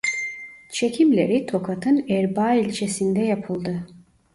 Çekimleri Tokat'ın Erbaa ilçesinde yapıldı.